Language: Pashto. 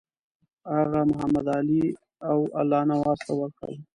هغه محمدعلي او الله نواز ته ورکړل.